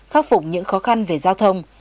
khắc phục những khó khăn về giao thông